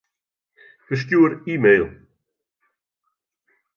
Ferstjoer e-mail.